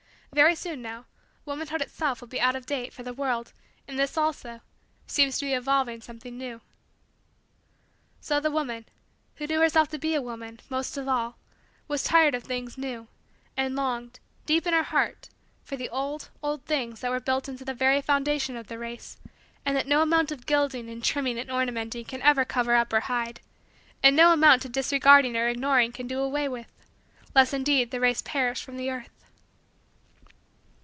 Very soon, now, womanhood itself will be out of date for the world, in this also, seems to be evolving something new. So the woman, who knew herself to be a woman, most of all, was tired of things new and longed, deep in her heart, for the old, old, things that were built into the very foundation of the race and that no amount of gilding and trimming and ornamenting can ever cover up or hide; and no amount of disregarding or ignoring can do away with; lest indeed the race perish from the earth.